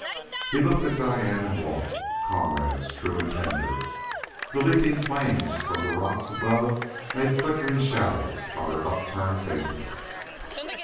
He looked at Diane and Walt comrades true and tender. The leaping flames from the rocks above made flickering shadows on their upturned faces.